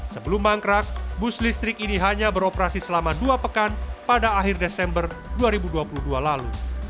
sebelum mangkrak bus listrik ini hanya beroperasi selama dua pekan pada akhir desember dua ribu dua puluh dua lalu